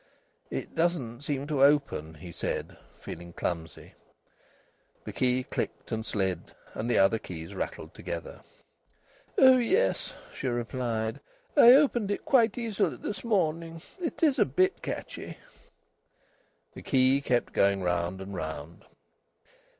"It doesn't seem to open," he said, feeling clumsy. The key clicked and slid, and the other keys rattled together. "Oh yes," she replied. "I opened it quite easily this morning. It is a bit catchy." The key kept going round and round.